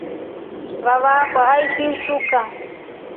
Vavakwa eshi isuka.